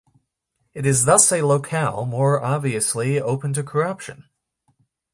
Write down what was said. It is thus a locale more obviously open to corruption.